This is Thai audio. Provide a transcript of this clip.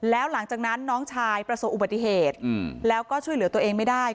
แล้วหลังจากนั้นน้องชายประสบอุบัติเหตุแล้วก็ช่วยเหลือตัวเองไม่ได้